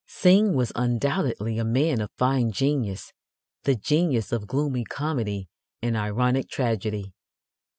Synge was undoubtedly a man of fine genius the genius of gloomy comedy and ironic tragedy.